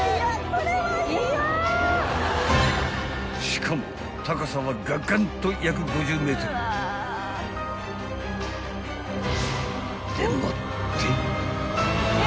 ［しかも高さはガガンと約５０ｍ］［でもって］